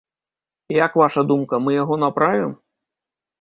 Як ваша думка, мы яго направім?